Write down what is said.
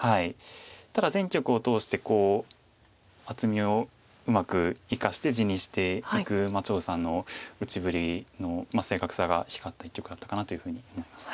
ただ全局を通して厚みをうまく生かして地にしていく張栩さんの打ちぶりの正確さが光った一局だったかなというふうに思います。